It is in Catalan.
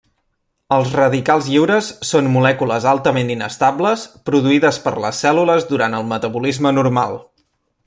Els radicals lliures són molècules altament inestables produïdes per les cèl·lules durant el metabolisme normal.